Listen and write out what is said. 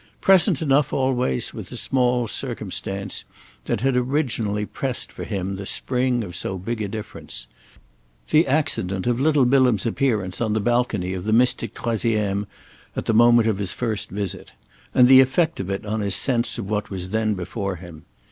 Present enough always was the small circumstance that had originally pressed for him the spring of so big a difference—the accident of little Bilham's appearance on the balcony of the mystic troisième at the moment of his first visit, and the effect of it on his sense of what was then before him.